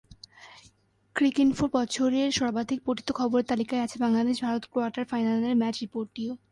ক্রিকইনফোর বছরের সর্বাধিক পঠিত খবরের তালিকায় আছে বাংলাদেশ-ভারত কোয়ার্টার ফাইনালের ম্যাচ রিপোর্টটিও।